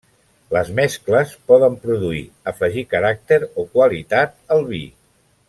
Les mescles poden produir afegir caràcter o qualitat al vi.